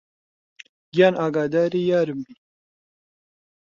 گیان ئاگادری یارم بی